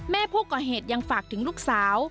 แม่ผู้ก่อเหตุยังฝากถึงลูกสาว